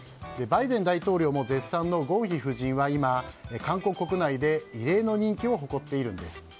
バイデン大統領も絶賛のゴンヒ夫人は、今韓国国内で異例の人気を誇っているんです。